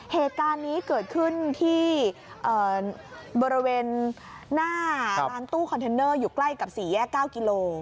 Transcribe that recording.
เหตุการณ์นี้เกิดขึ้นที่บริเวณหน้าร้านตู้คอนเทนเนอร์อยู่ใกล้กับ๔แยก๙กิโล